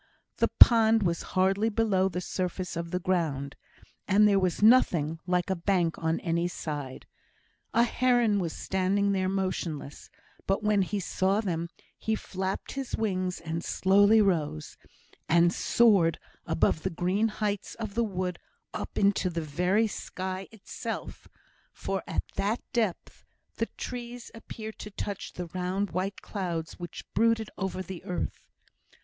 The pond was hardly below the surface of the ground, and there was nothing like a bank on any side. A heron was standing there motionless, but when he saw them he flapped his wings and slowly rose, and soared above the green heights of the wood up into the very sky itself, for at that depth the trees appeared to touch the round white clouds which brooded over the earth.